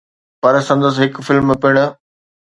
پر سندس هڪ فلم پڻ